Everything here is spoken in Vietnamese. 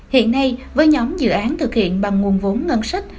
hiện nay với nhóm dự án thực hiện bằng nguồn vốn ngân sách